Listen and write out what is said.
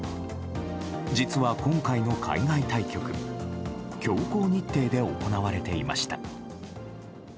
実は今回の海外対局強行日程で行われていました。